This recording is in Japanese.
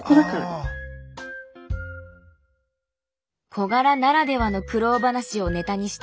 小柄ならではの苦労話をネタにした「小柄あるある」。